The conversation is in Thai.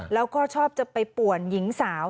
แล้วก็ชอบจะไปป่วนหญิงสาว